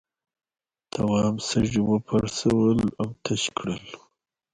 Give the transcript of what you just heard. تواب سږي وپرسول او تش کړل.